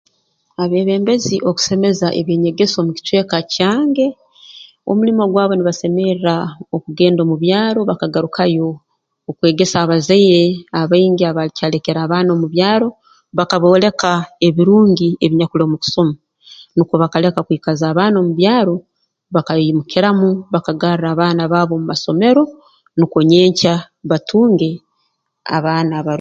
Abeebembezi okusemeza eby'enyegesa omu bicweka kyange omulimo gwabo nibasemerra okugenda omu byaro bakagarukayo okwegesa abazaire abaingi abakyalekere abaana omu byaro bakabooleka ebirungi ebinyakuli omu kusoma nukwo bakaleka kwikaza abaana omu byaro bakaimukiramu bakagarra abaana baabo mu masomero nukwo nyenkya batunge abaana abaru